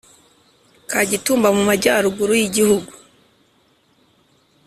kagitumba mu majyaruguru y'igihugu.